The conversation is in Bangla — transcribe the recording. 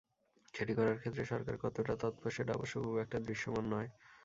সেটি করার ক্ষেত্রে সরকার কতটা তৎপর, সেটা অবশ্য খুব একটা দৃশ্যমান নয়।